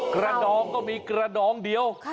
กระดองก็มีกระดองเดียว